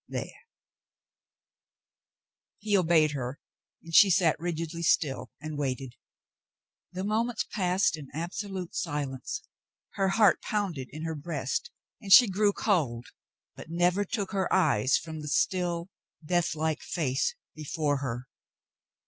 There !" He obeyed her, and she sat rigidly still and waited. The moments passed in absolute silence. Her heart pounded in her breast and she grew cold, but never took her eyes from the still, deathlike face before her.